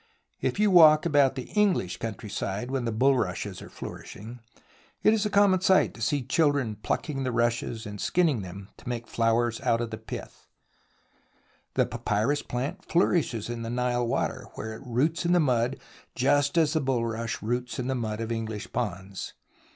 If you walk about the Enghsh country side when the bulrushes are flourish 16 THE ROMANCE OF EXCAVATION ing, it is a common sight to see children plucking the rushes and skinning them to make flowers out of the pith. The papjnrus plant flourishes in the Nile water, where it roots in the mud just as the bulrush roots in the mud of English ponds.